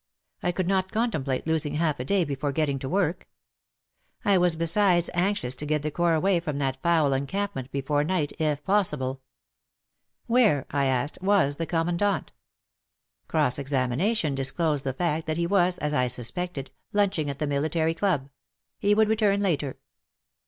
I could not contemplate losing half a day before getting to work. I was besides anxious to get the Corps 98 WAR AND WOMEN 99 away from that foul encampment before night, if possible. '* Where," I asked, *' was the Commandant ?" Cross examination disclosed the fact that he was, as I suspected, lunching at the military club, — he would return later."